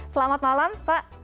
selamat malam pak